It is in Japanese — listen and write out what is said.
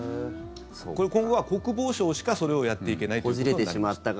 今後は国防省しかそれをやっていけないということになりました。